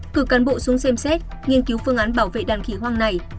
cử cán bộ xuống xem xét nghiên cứu phương án bảo vệ đàn khỉ hoang này